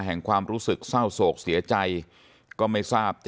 ท่านผู้ชมครับ